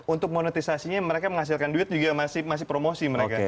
untuk monetisasinya mereka menghasilkan duit juga masih promosi mereka